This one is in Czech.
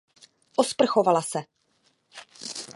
Osprchovala se.